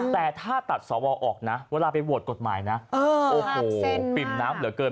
แต่ถ้าตัดสวออกนะเวลาไปโหวตกฎหมายนะโอ้โหปิ่มน้ำเหลือเกิน